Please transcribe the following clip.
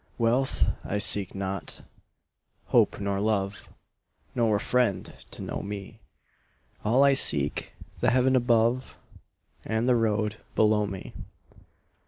Wealth I seek not, hope nor love, Nor a friend to know me; All I seek, the heaven above And the road below me.